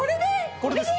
これです。